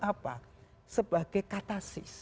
apa sebagai katasis